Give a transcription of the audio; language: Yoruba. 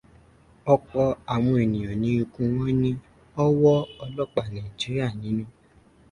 Ọpọ àwọn èèyàn ni ikú wọ́n ní ọ́wọ́ ọlọ́pàá Nàìjíría nínú.